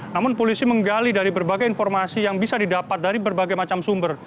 namun polisi menggali dari berbagai informasi yang bisa didapat dari berbagai macam sumber